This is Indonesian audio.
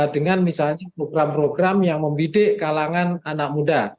dengan misalnya program program yang membidik kalangan anak muda